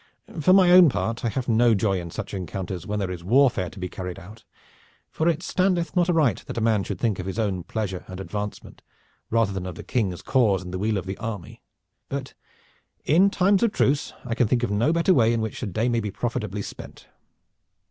"For my own part I have no joy in such encounters when there is warfare to be carried out, for it standeth not aright that a man should think of his own pleasure and advancement rather than of the King's cause and the weal of the army. But in times of truce I can think of no better way in which a day may be profitably spent.